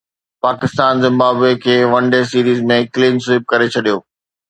Pakistan Zimbabwe کي one day series ۾ clean sweep ڪري ڇڏيو